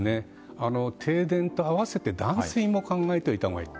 停電と併せて断水も考えておいたほうがいい。